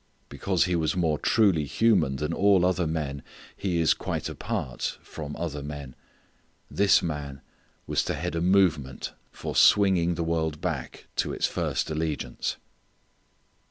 Because He was more truly human than all other men He is quite apart from other men. This Man was to head a movement for swinging the world back to its first allegiance.